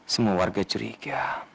semua warga ceriga